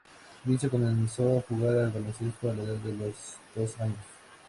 Vince comenzó a jugar al baloncesto a la edad de dos años.